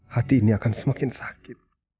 hati ini akan semakin sakit